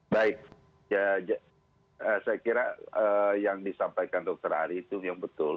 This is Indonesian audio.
baik saya kira yang disampaikan dokter ari itu yang betul